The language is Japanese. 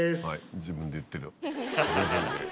自分で言ってるよ。